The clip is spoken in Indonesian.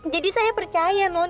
jadi saya percaya non